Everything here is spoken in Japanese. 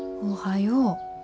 おはよう。